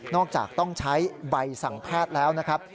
จากต้องใช้ใบสั่งแพทย์แล้วนะครับ